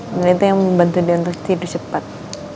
dan itu yang membantu dia untuk tidur cepat